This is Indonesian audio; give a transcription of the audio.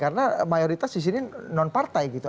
karena mayoritas di sini non partai gitu